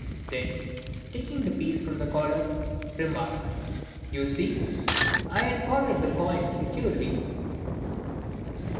Then, taking the piece from the collar, remark: "You see I had collared the coin securely."